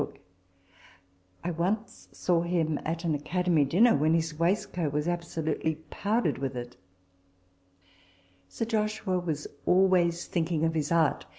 TABLE TALK OF SAMUEL ROGERS 9 once saw him at an Academy dinner, when* his waist coat was absolutely powdered with it. Sir Joshua was always thinking of his art.